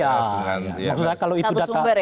maksudnya kalau itu data